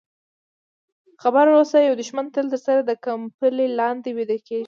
خبر واوسه یو دښمن تل درسره د کمپلې لاندې ویده کېږي.